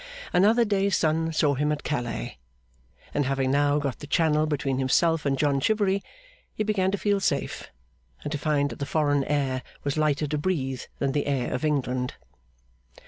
Another day's sun saw him at Calais. And having now got the Channel between himself and John Chivery, he began to feel safe, and to find that the foreign air was lighter to breathe than the air of England.